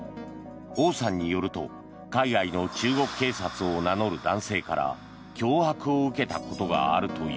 オウさんによると海外の中国警察を名乗る男性から脅迫を受けたことがあるという。